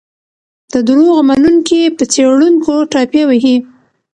د دروغو منونکي په څېړونکو ټاپې وهي.